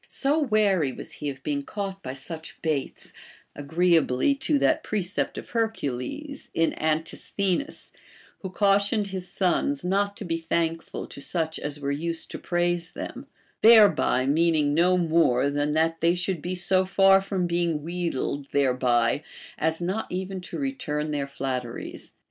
So wary was he of being caught by such baits, agreeably to that precept of Hercules in Antisthenes,* who cautioned his sons not to be thankful to such as Avere used to praise them, — thereby meaning no more than that they should be so far from being wheedled thereby as not even to return their flat teries.